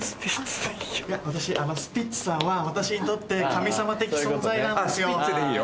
いや私スピッツさんは私にとって神様的存在なんですよ。